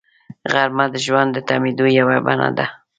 غرمه د ژوند د تمېدو یوه بڼه ده